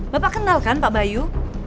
bapak kenal kan pak bayu